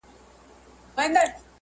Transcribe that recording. چې پرته له کومي تمي